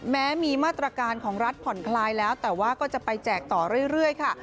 แม้มีมาตรการของรัฐผ่อนคลายแล้วแต่ว่าก็จะไปแจกต่อเรื่อยค่ะ